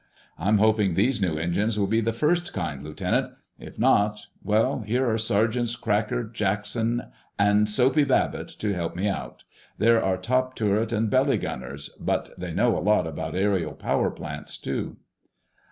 I'm hoping these new engines will be the first kind, Lieutenant. If not—well, here are Sergeants Cracker Jackson and Soapy Babbitt to help me out. They're our top turret and belly gunners, but they know a lot about aerial power plants, too."